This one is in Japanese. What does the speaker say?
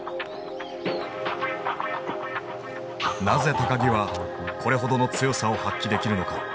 なぜ木はこれほどの強さを発揮できるのか。